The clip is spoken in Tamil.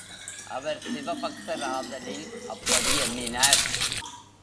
அவர் சிவபக்தராதலின் அப்படி எண்ணினார்.